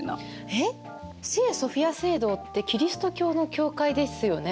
えっ聖ソフィア聖堂ってキリスト教の教会ですよね。